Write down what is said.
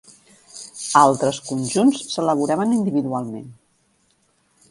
A altres conjunts s'elaboraven individualment.